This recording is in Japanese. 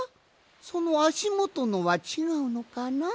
そのあしもとのはちがうのかな？